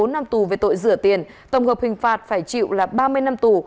một mươi hai một mươi bốn năm tù về tội rửa tiền tổng hợp hình phạt phải chịu là ba mươi năm tù